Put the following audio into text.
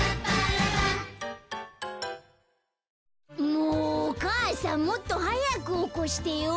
もうお母さんもっとはやくおこしてよ。